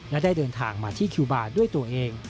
และได้เดินทางมาที่คิวบาร์ด้วยตัวเอง